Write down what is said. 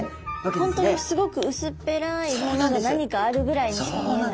本当にすごくうすっぺらいものが何かあるぐらいにしか見えない？